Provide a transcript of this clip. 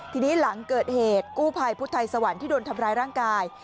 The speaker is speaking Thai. ทีนี้หลังเกิดเหตุกู้ภัยพุทธไทยสวรรค์ที่โดนทำร้ายร่างกาย